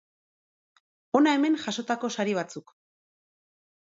Hona hemen jasotako sari batzuk.